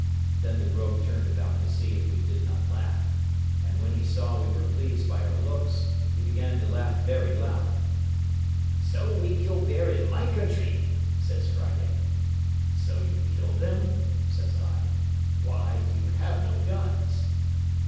Then the rogue turned about to see if we did not laugh; and when he saw we were pleased by our looks, he began to laugh very loud. "So we kill bear in my country," says Friday. "So you kill them?" says I; "why, you have no guns."